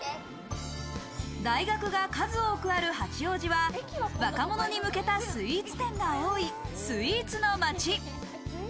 大学が数多くある八王子は若者に向けたスイーツ店が多いスイーツの街。